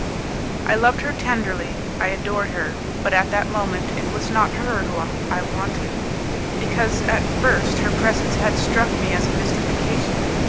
I loved her tenderly, I adored her, but at that moment it was not her whom I wanted, because at first her presence had struck me as a mystification.